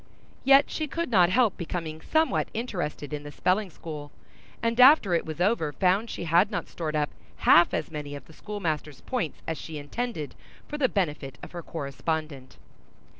Yet she could not help becoming somewhat interested in the spelling school, and after it was over found she had not stored up half as many of the schoolmaster's points as she intended, for the benefit of her correspondent.